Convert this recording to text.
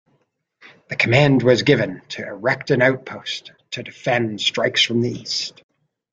The command was given to erect an outpost to defend strikes from the east.